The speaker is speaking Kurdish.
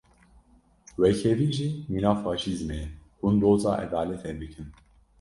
Wekhevî jî mîna faşîzmê ye, hûn doza edaletê bikin.